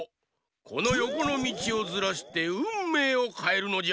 このよこのみちをずらしてうんめいをかえるのじゃ！